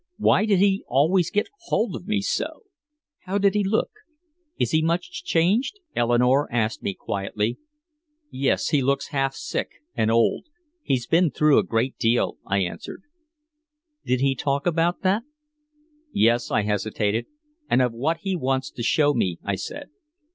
Why did he always get hold of me so? "How did he look? Is he much changed?" Eleanore asked me quietly. "Yes. He looks half sick and old. He's been through a good deal," I answered. "Did he talk about that?" "Yes" I hesitated "and of what he wants to show me," I said.